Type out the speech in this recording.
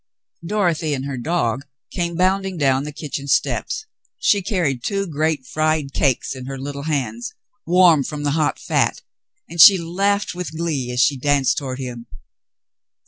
Dorothy and her dog came bounding down the kitchen steps. She carried two great fried cakes in her little hands, warm from the Hot fat, and she laughed with glee as she danced toward him.